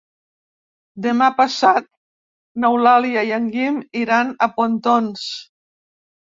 Demà passat n'Eulàlia i en Guim iran a Pontons.